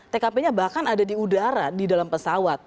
tkp nya bahkan ada di udara di dalam pesawat